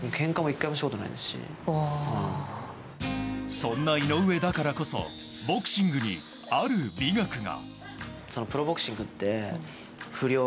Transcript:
そんな井上だからこそボクシングに、ある美学が。